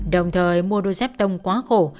đồng thời mua đôi xép tông quá khổ